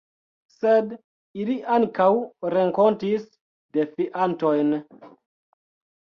Sed ili ankaŭ renkontis defiantojn.